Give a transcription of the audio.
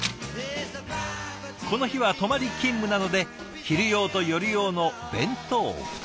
この日は泊まり勤務なので昼用と夜用の弁当２つ。